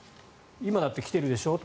今だって来ているでしょと。